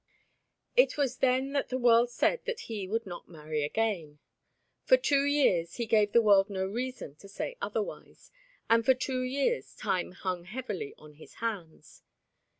It was then that the world said that he would not marry again. For two years he gave the world no reason to say otherwise, and for two years time hung heavy on his hands.